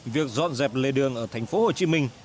một dẹp lề đường ở thành phố hồ chí minh